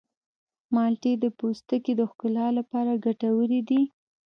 مالټې د پوستکي د ښکلا لپاره ګټورې دي.